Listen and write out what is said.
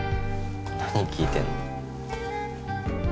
何聴いてんの？